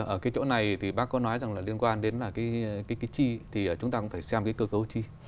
ở cái chỗ này thì bác có nói rằng là liên quan đến là cái chi thì chúng ta cũng phải xem cái cơ cấu chi